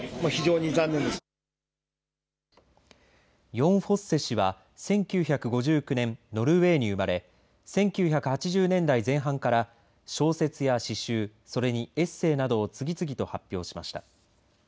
ヨン・フォッセ氏は１９５９年ノルウェーに生まれ１９８０年代前半から小説や詩集それにエッセイなどを次々と発表しました。